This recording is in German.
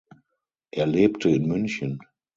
Er lebte in München.